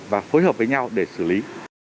và phối hợp với nhau để xử lý